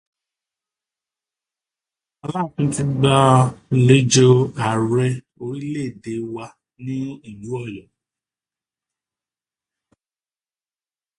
Aláàfin ti gbàlejò Ààrẹ orílẹ̀èdè wa ni ìlú Ọ̀yọ́